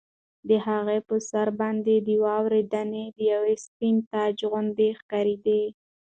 د هغه په سر باندې د واورې دانې د یوه سپین تاج غوندې ښکارېدې.